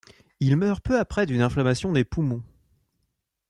Il meurt peu après d'une inflammation des poumons.